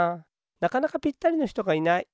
なかなかぴったりのひとがいない。